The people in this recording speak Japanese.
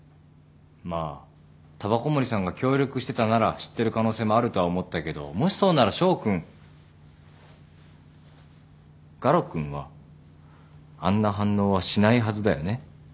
まあ煙草森さんが協力してたなら知ってる可能性もあるとは思ったけどもしそうなら翔君ガロ君はあんな反応はしないはずだよね。